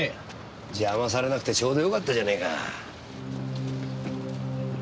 邪魔されなくてちょうど良かったじゃねえか。